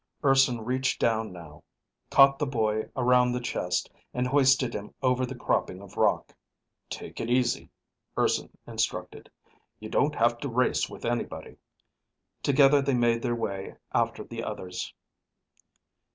Urson reached down, now, caught the boy around the chest, and hoisted him over the cropping of rock. "Take it easy," Urson instructed. "You don't have to race with anybody." Together they made their way after the others.